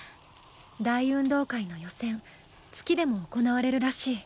大運動会の予選月でも行われるらしい。